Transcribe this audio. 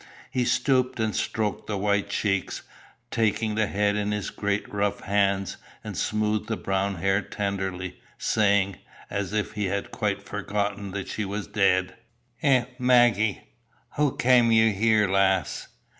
He stooped and stroked the white cheeks, taking the head in his great rough hands, and smoothed the brown hair tenderly, saying, as if he had quite forgotten that she was dead "Eh, Maggie! hoo cam ye here, lass?"